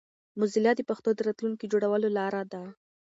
موزیلا د پښتو د راتلونکي جوړولو لاره ده.